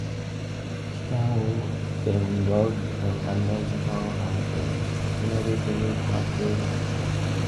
Kitao then worked an americana and Jones immediately tapped out.